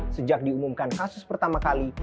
sejak diumumkan kasus pertama kali